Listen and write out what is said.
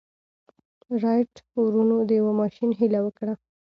رايټ وروڼو د يوه ماشين هيله وکړه.